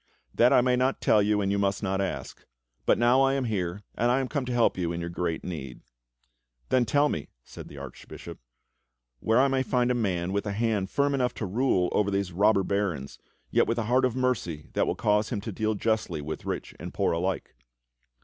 "That I may not tell you, and you must not ask; but now I am here, and I am come to help you in your great need." "Then tell me," said the Archbishop, "where I may find a man with a hand firm enough to rule over these robber barons, yet with a heart of mercy that will cause him to deal justly with rich and poor alike."